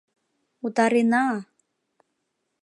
— Утарена!